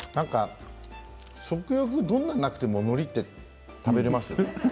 食欲がどんなになくてものりって食べられます。